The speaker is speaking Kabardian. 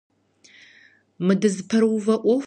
Мы дызыпэрыувэ Ӏуэхум хэкӀыпӀэ гуэр зэриӀэр сщӀэн хуейщ.